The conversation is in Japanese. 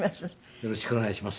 よろしくお願いします。